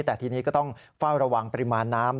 แต่ทีนี้ก็ต้องเฝ้าระวังปริมาณน้ำ